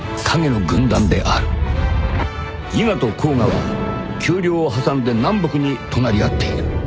［伊賀と甲賀は丘陵を挟んで南北に隣り合っている］